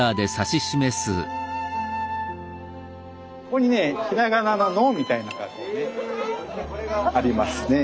ここにねひらがなの「の」みたいなのがありますね。